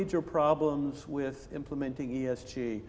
dalam memperbaiki esg